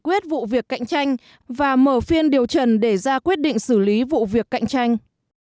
giải quyết vụ việc cạnh tranh và mở phiên điều trần để ra quyết định xử lý vụ việc cạnh tranh